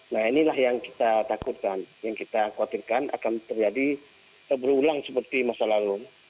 nah inilah yang kita takutkan yang kita khawatirkan akan terjadi berulang seperti masa lalu